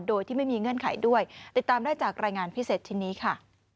โดยที่ไม่มีเงื่อนไขด้วยติดตามได้จากรายงานพิเศษชิ้นนี้ค่ะ